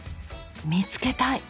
見つけたい！